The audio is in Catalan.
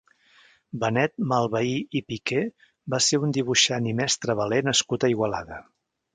Benet Malvehí i Piqué va ser un dibuixant i mestre veler nascut a Igualada.